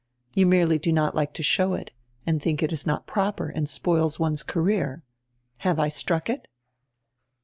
You merely do not like to show it and think it is not proper and spoils one's career. Have I struck it?"